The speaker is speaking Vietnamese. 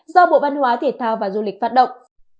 do bộ văn hóa thể thao và du lịch phát động